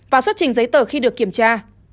và xuất trình giấy tờ khi được kiểm tra